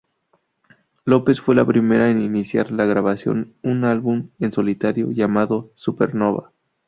Lopes fue la primera en iniciar la grabación un álbum en solitario, llamado "Supernova".